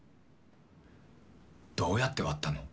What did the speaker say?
どうやって割ったの？